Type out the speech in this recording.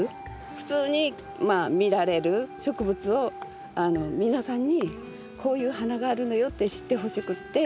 普通にまあ見られる植物を皆さんにこういう花があるのよって知ってほしくって。